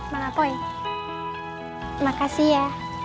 mak apoy makasih ya